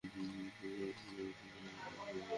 তিনি নিজেও বড় যুদ্ধবাজ এবং অনুপম কুশলী ছিলেন।